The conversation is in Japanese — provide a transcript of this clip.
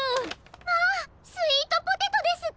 まあスイートポテトですって！？